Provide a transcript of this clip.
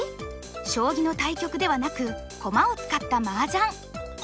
将棋の対局ではなく駒を使ったマージャン。